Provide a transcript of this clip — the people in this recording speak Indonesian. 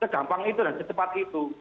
segampang itu dan secepat itu